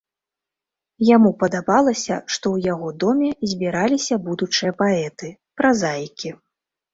Яму падабалася, што ў яго доме збіраліся будучыя паэты, празаікі.